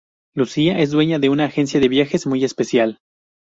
Lucía es dueña de una agencia de viajes muy especial.